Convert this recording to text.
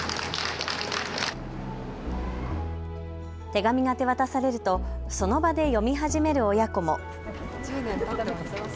手紙が手渡されるとその場で読み始める親子も。